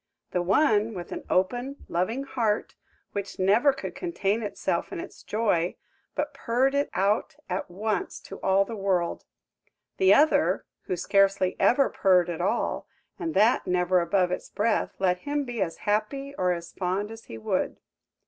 The one, with an open, loving heart, which never could contain itself in its joy, but purred it out at once to all the world; the other, who scarcely ever purred at all, and that never above its breath, let him be as happy or as fond as he would.